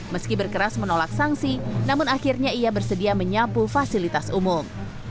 meski berkeras menolak sanksi namun akhirnya ia bersedia menyapu fasilitas umum